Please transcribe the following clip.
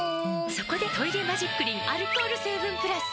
そこで「トイレマジックリン」アルコール成分プラス！